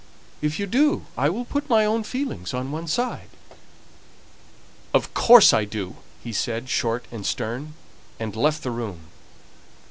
if you do, I will put my own feelings on one side." "Of course I do!" he said, short and stern, and left the room.